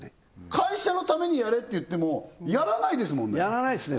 会社のためにやれって言ってもやらないですもんねやらないですね